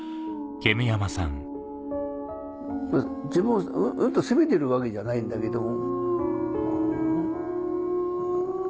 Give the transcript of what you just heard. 自分をうんと責めてるわけじゃないんだけども。